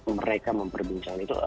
mereka memperbincangkan itu